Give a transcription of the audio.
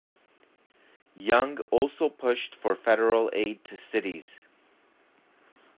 Young also pushed for federal aid to cities.